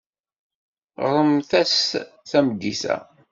Ɣremt-as tameddit-a.